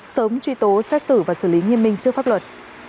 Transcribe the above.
sớm truy tố xét xử và xử lý nghiêm minh trước pháp luật